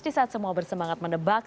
di saat semua bersemangat menebak